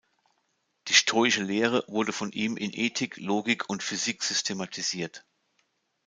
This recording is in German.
Die stoische Lehre wurde von ihm in Ethik, Logik und Physik systematisiert.